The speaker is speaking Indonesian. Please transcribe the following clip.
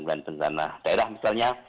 dari badan penanggung dan penganah daerah misalnya